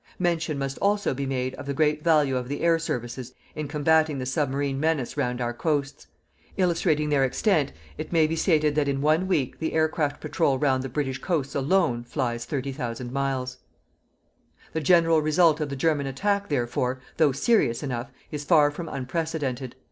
Mention must also be made of the great value of the air services in combating the submarine menace round our coasts.... Illustrating their extent it may be stated that in one week the aircraft patrol round the British coasts alone flies 30,000 miles. The general result of the German attack, therefore, though serious enough, is far from unprecedented.